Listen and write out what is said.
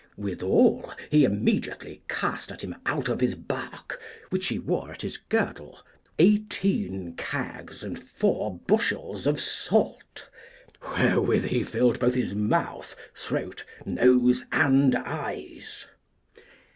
Withal, he immediately cast at him out of his bark, which he wore at his girdle, eighteen cags and four bushels of salt, wherewith he filled both his mouth, throat, nose, and eyes.